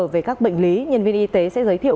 về các bệnh lý nhân viên y tế sẽ giới thiệu